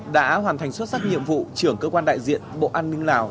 đã hoàn thành xuất sắc nhiệm vụ trưởng cơ quan đại diện bộ an ninh lào